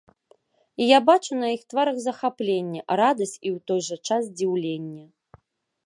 І я бачу на іх тварах захапленне, радасць і ў той жа час здзіўленне.